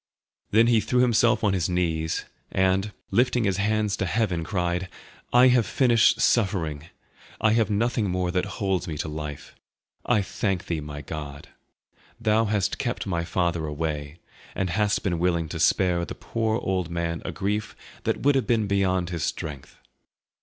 Then he threw himself on his knees, and, lifting his hands to heaven, cried, "I have finished suffering; I have nothing more that holds me to life. I thank Thee, my God! Thou hast kept my father away, and hast been willing to spare the poor old man a grief that would have been beyond his strength."